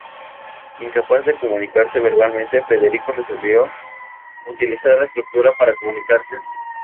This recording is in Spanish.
Incapaz de comunicarse verbalmente, Federico resolvió utilizar la escritura para comunicarse.